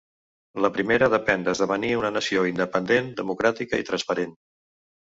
La primera depèn d’esdevenir una nació independent, democràtica i transparent.